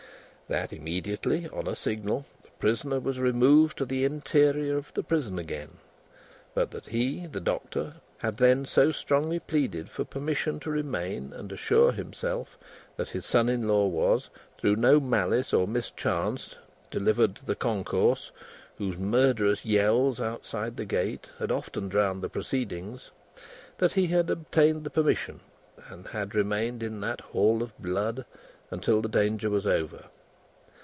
That, immediately, on a signal, the prisoner was removed to the interior of the prison again; but, that he, the Doctor, had then so strongly pleaded for permission to remain and assure himself that his son in law was, through no malice or mischance, delivered to the concourse whose murderous yells outside the gate had often drowned the proceedings, that he had obtained the permission, and had remained in that Hall of Blood until the danger was over.